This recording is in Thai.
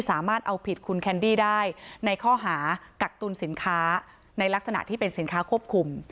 สามารถเอาผิดคุณแคนดี้ได้ในข้อหากักตุลสินค้าในลักษณะที่เป็นสินค้าควบคุม